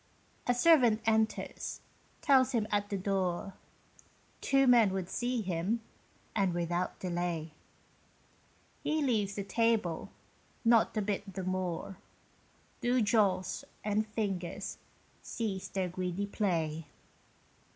A servant enters, tells him at the door Two men would see him, and without delay. He leaves the table, not a bit the more Do jaws and fingers cease their greedy play.